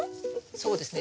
そうですね